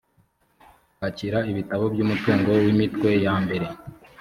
kwakira ibitabo by umutungo w imitwe yambere